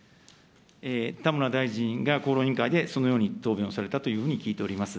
田村大臣が厚労委員会でそのように答弁をされたというふうに聞いております。